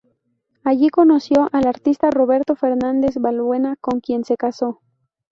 Allí conoció al artista Roberto Fernández Balbuena, con quien se casó.